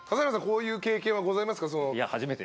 こういう経験はございますか？